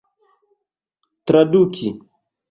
traduki